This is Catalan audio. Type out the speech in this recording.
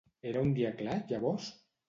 Era un dia clar, llavors?